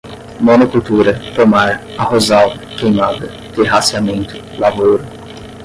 monocultura, pomar, arrozal, queimada, terraceamento, lavoura